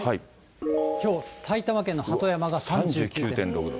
きょう埼玉県の鳩山が３９．６度。